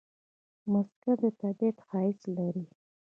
مځکه د طبیعت ښایست لري.